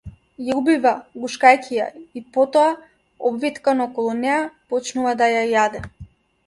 Ја убива, гушејќи ја, и потоа обвиткан околу неа почнува да ја јаде.